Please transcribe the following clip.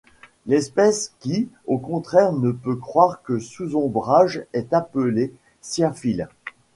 L'espèce qui, au contraire, ne peut croître que sous ombrage est appelée sciaphile.